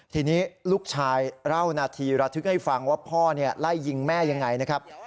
ทีนี้ลูกชายเล่านาทีระทึกให้ฟังว่าพ่อไล่ยิงแม่ยังไงนะครับ